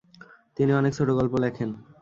তিনি অনেক ছোটগল্প লেখেন।